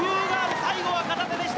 最後は片手でした。